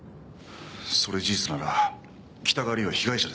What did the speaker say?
それ事実なら北川凛は被害者です。